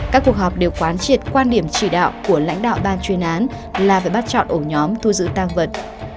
các cuộc họp đều quán triệt quan điểm chỉ đạo của lãnh đạo ban chuyên án là phải bắt chọn ổ nhóm thu giữ tăng vật